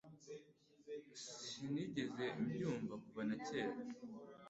Sinigeze mbyumva kuva kera